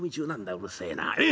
うるせえな。